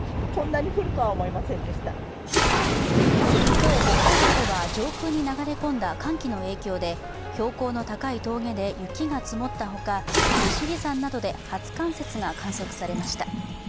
今日、北海道では上空に流れ込んだ寒気の影響で標高の高い峠で雪が積もったほか利尻山などで初冠雪が観測されました。